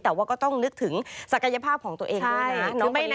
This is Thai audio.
แต่ว่าก็ต้องนึกถึงศักยภาพของตัวเองด้วยนะ